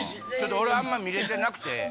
俺あんま見れてなくて。